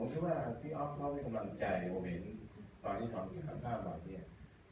เพราะเขาไม่กำลังใจผมเห็นตอนที่เขามีคำภาพแบบนี้